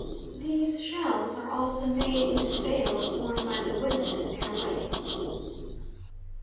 These shells are also made into veils worn by the women at their wedding.